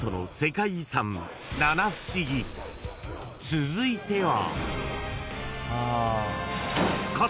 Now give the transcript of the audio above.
［続いては］